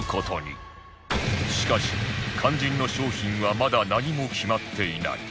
しかし肝心の商品はまだ何も決まっていない